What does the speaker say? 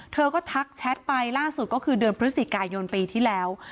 เธอก็ทักแชทไปล่าสุดก็คือเดือนพฤศจิกายนปีที่แล้ว